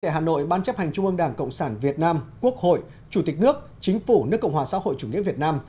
tại hà nội ban chấp hành trung ương đảng cộng sản việt nam quốc hội chủ tịch nước chính phủ nước cộng hòa xã hội chủ nghĩa việt nam